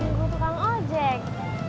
tunggu tukang ojek